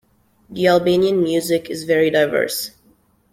The Albanian music is very diverse.